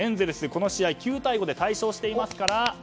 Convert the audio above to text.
この試合９対５で快勝しています。